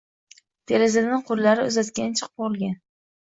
Derazadan qo‘llarini uzatgancha qolgan